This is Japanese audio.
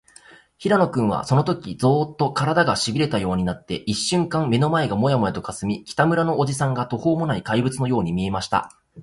平野君は、そのとき、ゾーッと、からだが、しびれたようになって、いっしゅんかん目の前がモヤモヤとかすみ、北村のおじさんが、とほうもない怪物のように見えました。